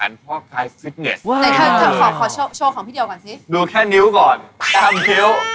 แต่เธอขอโชว์ของพี่เดียวก่อนสิดูแค่นิ้วก่อนตามนิ้ว